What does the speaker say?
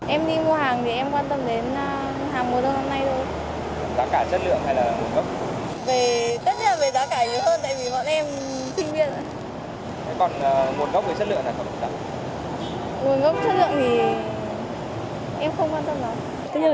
em đi mua hàng thì em quan tâm đến hàng mua đơn hôm nay thôi